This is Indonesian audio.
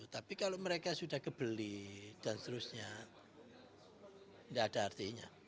tapi kalau mereka sudah kebeli dan seterusnya tidak ada artinya